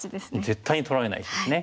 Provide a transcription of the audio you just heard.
絶対に取られないですね。